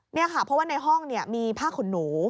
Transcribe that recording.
นี่ค่ะเพราะว่าในห้องมีผ้าขนหนู